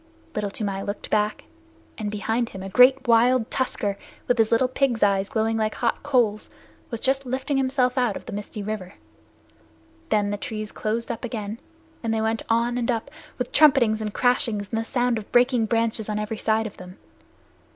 Little Toomai looked back, and behind him a great wild tusker with his little pig's eyes glowing like hot coals was just lifting himself out of the misty river. Then the trees closed up again, and they went on and up, with trumpetings and crashings, and the sound of breaking branches on every side of them.